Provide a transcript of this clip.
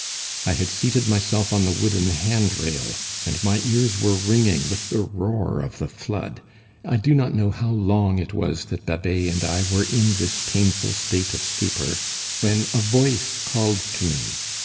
I had seated myself on the wooden handrail, and my ears were ringing with the roar of the flood. I do not know how long it was that Babet and I were in this painful state of stupor, when a voice called to me.